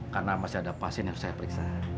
karena masih ada pasien yang harus saya periksa